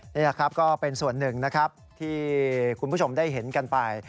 นี่แหละครับก็เป็นส่วนหนึ่งนะครับที่คุณผู้ชมได้เห็นกันไป